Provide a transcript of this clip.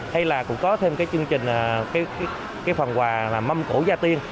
hay là cũng có thêm cái chương trình cái phần quà là mâm cổ gia tiên